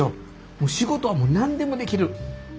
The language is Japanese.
もう仕事は何でもできる。